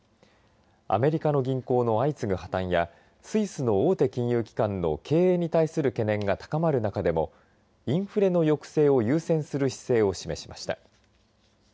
アメリカの銀行の相次ぐ破綻やスイスの大手金融機関の経営に対する懸念が高まる中でもインフレの抑制を優先する姿勢を示しました。